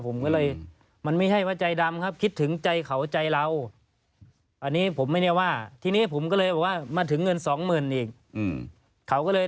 ผมก็เลยมันไม่ใช่ว่าใจดำครับคิดถึงใจเขาใจเราอันนี้ผมไม่ได้ว่าทีนี้ผมก็เลยบอกว่ามาถึงเงินสองหมื่นอีกเขาก็เลย